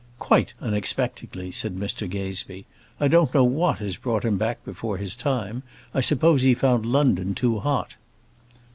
"Quite unexpectedly," said Mr Gazebee. "I don't know what has brought him back before his time. I suppose he found London too hot."